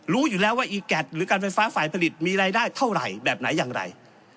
รู้อยู่แล้วว่าอีแก๊สหรือการไฟฟ้าฝ่ายผลิตมีรายได้เท่าไหร่แบบไหนอย่างไร